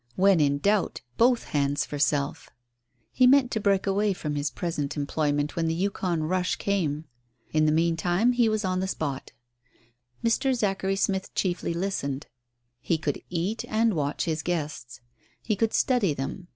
When in doubt both hands for self. He meant to break away from his present employment when the Yukon "rush" came. In the meantime he was on the spot. Mr. Zachary Smith chiefly listened. He could eat and watch his guests. He could study them.